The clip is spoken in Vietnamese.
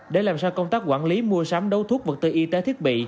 để làm sao công tác quản lý mua sắm đấu thuốc vật tư y tế thiết bị